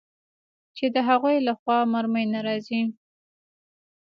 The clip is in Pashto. چې د هغوى له خوا مرمۍ نه راځي.